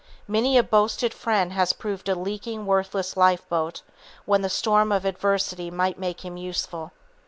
Many a boasted friend has proved a leaking, worthless "lifeboat" when the storm of adversity might make him useful.